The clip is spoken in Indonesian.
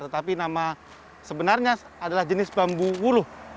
tetapi nama sebenarnya adalah jenis bambu wuluh